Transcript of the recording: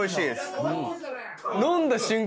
・飲んだ瞬間